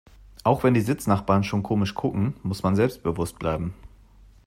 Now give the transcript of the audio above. Auch wenn die Sitznachbarn schon komisch gucken, muss man selbstbewusst bleiben.